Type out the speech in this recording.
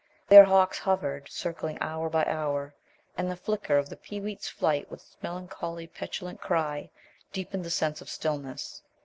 There hawks hovered, circling hour by hour, and the flicker of the peewit's flight with its melancholy, petulant cry, deepened the sense of stillness.